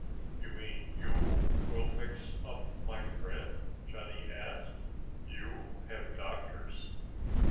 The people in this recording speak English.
"You mean you will fix up my friend?" Johnny asked. "You have doctors?"